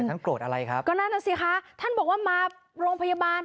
โกรธอะไรครับก็นั่นน่ะสิคะท่านบอกว่ามาโรงพยาบาล